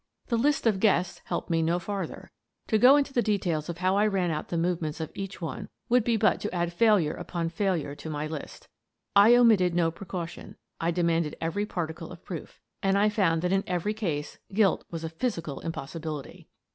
The list of guests helped me no farther. To go into the details of how I ran out the movements of each one would be but to add failure upon failure to my list. I omitted no precaution; I demanded every particle of proof — and I found that in every case guilt was a physical impossibility.